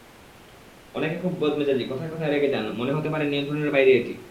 অনেকে খুব বদমেজাজি, কথায় কথায় রেগে যান, মনে হতে পারে নিয়ন্ত্রণের বাইরে এটি।